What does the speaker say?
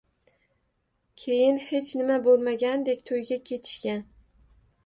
Keyin hech nima bo`lmagandek to`yga ketishgan